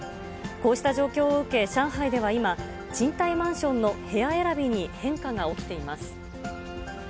こうした状況を受け、上海では今、賃貸マンションの部屋選びに変化が起きています。